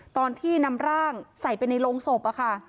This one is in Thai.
ตอนที่นำร่างใส่ไปในโรงศพอะค่ะ